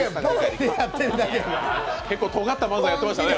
結構、とがった漫才やってましたね。